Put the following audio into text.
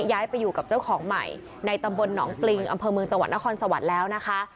ย้ายไปอยู่กับเจ้าของใหม่ในตำบลหนองปริงอำเภอเมืองจังหวัดนครสวรรค์แล้วนะคะ